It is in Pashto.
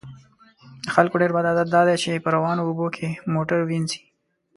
د خلکو ډیر بد عادت دا دی چې په روانو اوبو کې موټر وینځي